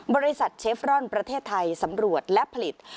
บริษัทเชฟรอนประเทศไทยสำรวจและผลิต